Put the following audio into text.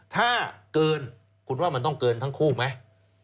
ถ้าเกินคุณว่ามันต้องเกินทั้งคู่ไหม